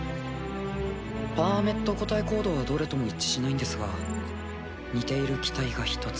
パーメット個体コードはどれとも一致しないんですが似ている機体が１つ。